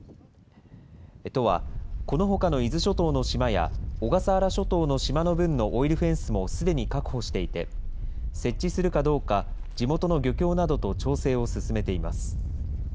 都は、このほかの伊豆諸島の島や、小笠原諸島の島の分のオイルフェンスもすでに確保していて、設置するかどうか、地元の漁協などと調整を進めています。